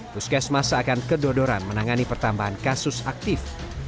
puskesmas seakan kedodoran menangani pertambahan kasus aktif